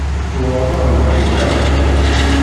Uɣeɣ-d aɛudiw iḍelli.